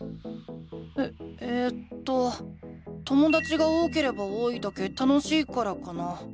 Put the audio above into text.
ええとともだちが多ければ多いだけ楽しいからかな。